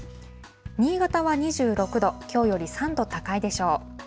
新潟は２６度、きょうより３度高いでしょう。